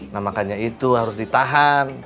nah makanya itu harus ditahan